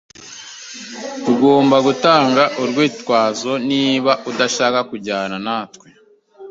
Ntugomba gutanga urwitwazo niba udashaka kujyana natwe.